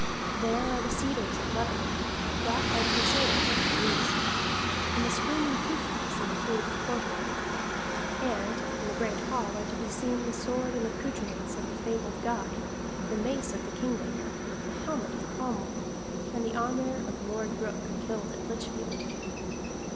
There are the cedars of Lebanon, brought by Crusaders from the East, and the screaming peacocks in the paved courtway: and in the Great Hall are to be seen the sword and accouterments of the fabled Guy, the mace of the "Kingmaker," the helmet of Cromwell, and the armor of Lord Brooke, killed at Litchfield.